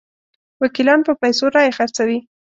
وکیلان په پیسو رایې خرڅوي.